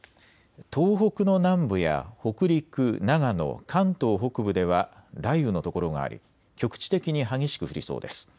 東北の南部や北陸、長野、関東北部では雷雨の所があり局地的に激しく降りそうです。